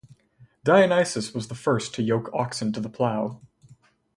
Dionysus was the first to yoke oxen to the plough.